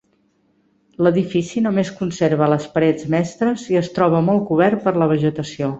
L'edifici només conserva les parets mestres i es troba molt cobert per la vegetació.